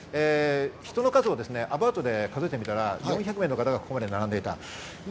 人の数をアバウトで数えてみたら４００名の方がここまで並んでいました。